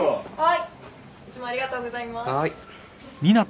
はい。